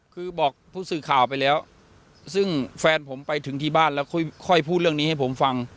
คือบอกผู้สื่อข่าวไปแล้วซึ่งแฟนผมไปถึงที่บ้านแล้วค่อยพูดเรื่องนี้ให้ผมฟัง